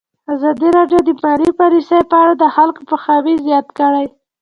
ازادي راډیو د مالي پالیسي په اړه د خلکو پوهاوی زیات کړی.